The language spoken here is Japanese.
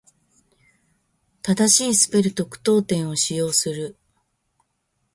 正しいスペルと句読点を使用する。